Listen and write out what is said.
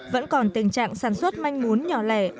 vẫn còn tình trạng sản xuất manh mún nhỏ lẻ